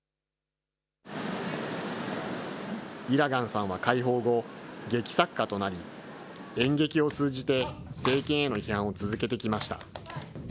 イラガンさんは解放後、劇作家となり、演劇を通じて政権への批判を続けてきました。